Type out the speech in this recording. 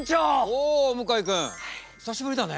おお向井君久しぶりだね。